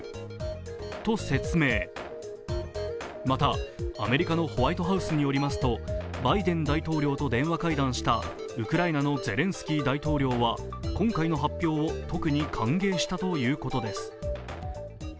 また、アメリカのホワイトハウスによりますと、バイデン大統領と電話会談したウクライナのゼレンスキー大統領は今回の発表を特に歓迎したということです。